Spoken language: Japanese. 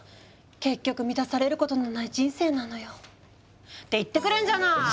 結局満たされることのない人生なのよ。って言ってくれんじゃない！